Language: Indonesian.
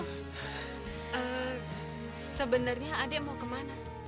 eh sebenarnya adik mau kemana